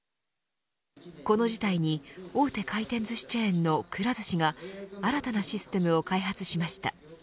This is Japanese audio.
この事態に、大手回転ずしチェーンのくら寿司が新たなシステムを開発しました。